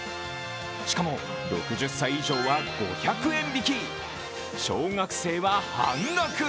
しかも、６０歳以上は５００円引き、小学生は半額。